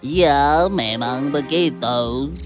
ya memang begitu